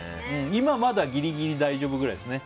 今はまだギリギリ大丈夫ぐらいですね。